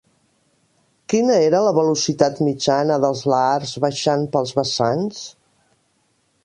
Quina era la velocitat mitjana dels lahars baixant pels vessants?